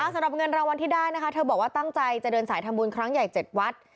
สำหรับเงินรางวัลที่ได้นะคะเธอบอกว่าตั้งใจจะเดินสายทำบุญครั้งใหญ่๗วัด